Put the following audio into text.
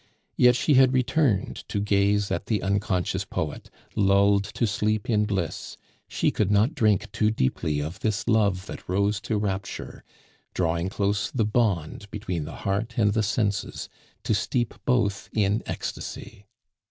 Yet she had returned to gaze at the unconscious poet, lulled to sleep in bliss; she could not drink too deeply of this love that rose to rapture, drawing close the bond between the heart and the senses, to steep both in ecstasy.